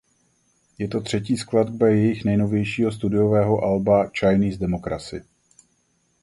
Je to třetí skladba jejich nejnovějšího studiového alba "Chinese Democracy".